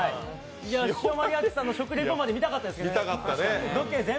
シオマリアッチさんの食リポまで見たかったですけどね。